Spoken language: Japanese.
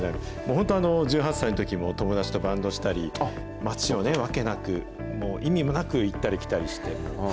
本当、１８歳のときも、友達とバンドしたり、街をわけなく、意味もなく行ったり来たりしている。